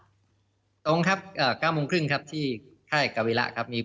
ตรงครับ๙๓๐ที่ค่ายกาวิระครับ